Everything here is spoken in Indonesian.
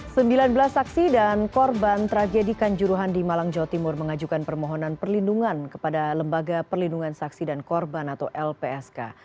sembilan belas saksi dan korban tragedi kanjuruhan di malang jawa timur mengajukan permohonan perlindungan kepada lembaga perlindungan saksi dan korban atau lpsk